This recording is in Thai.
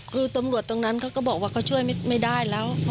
คือตำรวจตรงนั้นเขาก็บอกว่าเขาช่วยไม่ได้แล้ว